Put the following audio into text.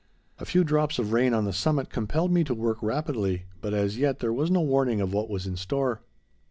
A few drops of rain on the summit compelled me to work rapidly, but, as yet, there was no warning of what was in store.